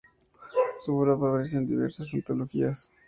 Su obra aparece en diversas antologías.